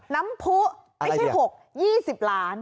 น้ำพุไม่ใช่๖น้ำพุ๒๐ล้าน